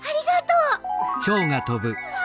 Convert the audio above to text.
うわ！